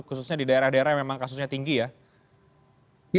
khususnya di daerah daerah yang memang kasusnya tinggi ya